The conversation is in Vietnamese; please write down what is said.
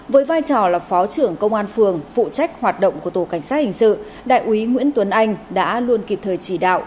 với vai trò là phó trưởng công an phường phụ trách hoạt động của tổ cảnh sát hình sự đại úy nguyễn tuấn anh đã luôn kịp thời chỉ đạo